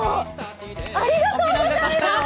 ありがとうございます！